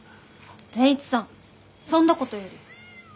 善一さんそんなことより。